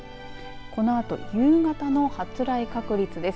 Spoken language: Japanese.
このあと夕方の発雷確率です。